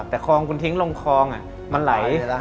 แต่คลองคุณทิ้งลงคลองมันไหล